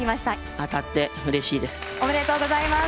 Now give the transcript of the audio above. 当たってうれしいです。